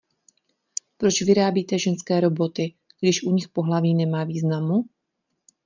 Proč vyrábíte ženské Roboty, když u nich pohlaví nemá významu?